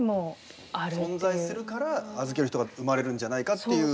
存在するから預ける人が生まれるんじゃないかっていう。